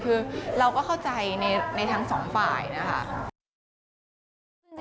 คือเราก็เข้าใจในทั้งสองฝ่ายนะคะ